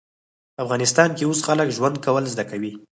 په افغانستان کې اوس خلک ژوند کول زده کوي